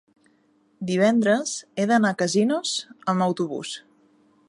Divendres he d'anar a Casinos amb autobús.